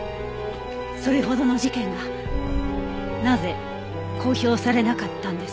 それほどの事件がなぜ公表されなかったんです？